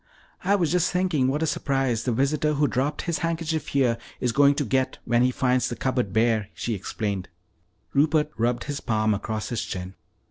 "I was just thinking what a surprise the visitor who dropped his handkerchief here is going to get when he finds the cupboard bare," she explained. Rupert rubbed his palm across his chin.